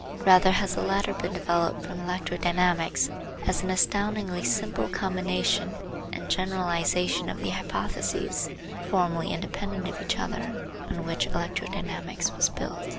Rather has the latter been developed trom electrodynamics as an astoundingly simple combination and generalisation of the hypotheses, formerly independent of each other, on which electrodynamics was built.